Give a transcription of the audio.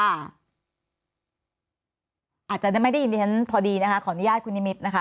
อาจจะไม่ได้ยินดิฉันพอดีนะคะขออนุญาตคุณนิมิตรนะคะ